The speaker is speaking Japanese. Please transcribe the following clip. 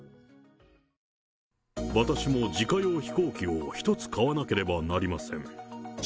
私も自家用飛行機を１つ買わなければなりません。